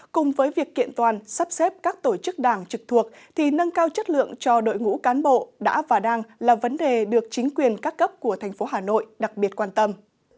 cùng với việc kiện toàn sắp xếp các tổ chức đảng trực thuộc thì nâng cao chất lượng cho đội ngũ cán bộ đã và đang là vấn đề được chính quyền các cấp của thành phố hà nội đặc biệt quan tâm